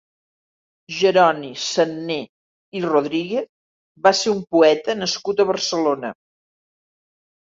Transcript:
Jeroni Zanné i Rodríguez va ser un poeta nascut a Barcelona.